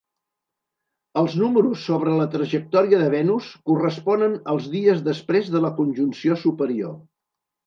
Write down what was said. Els números sobre la trajectòria de Venus corresponen als dies després de la conjunció superior.